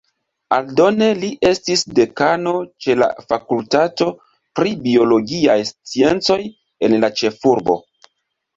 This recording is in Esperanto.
Aldone li estis dekano ĉe la fakultato pri biologiaj sciencoj en la ĉefurbo.